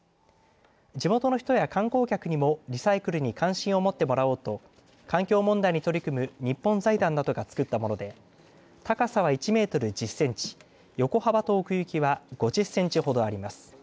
地元の人や観光客にもリサイクルに関心を持ってもらおうと環境問題に取り組む日本財団などが作ったもので高さは１メートル１０センチ横幅と奥行きは５０センチほどあります。